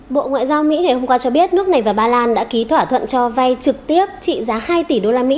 bộ ngoại giao mỹ ngày hôm qua cho biết nước này và ba lan đã ký thỏa thuận cho vay trực tiếp trị giá hai tỷ usd